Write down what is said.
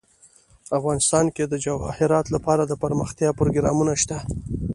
افغانستان کې د جواهرات لپاره دپرمختیا پروګرامونه شته.